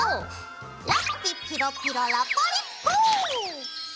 ラッピピロピロラポリッポー。